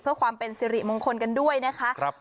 เพื่อความเป็นสิริมงคลกันด้วยนะคะ